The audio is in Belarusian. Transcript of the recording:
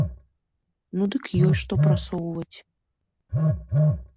Ну дык ёсць што прасоўваць!